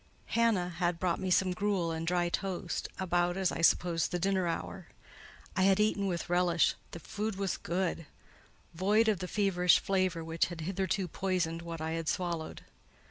Hannah had brought me some gruel and dry toast, about, as I supposed, the dinner hour. I had eaten with relish: the food was good—void of the feverish flavour which had hitherto poisoned what I had swallowed.